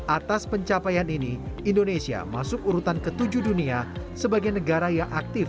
atas pencapaian ini indonesia masuk urutan ke tujuh dunia sebagai negara yang aktif